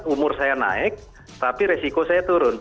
umur saya naik tapi resiko saya turun